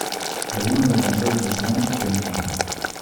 È uno dei maggiori giacimenti del mondo.